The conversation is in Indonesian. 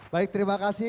baik terima kasih